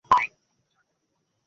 আমরা কি বাড়িতে যাব?